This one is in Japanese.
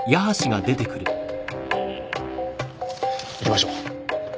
行きましょう。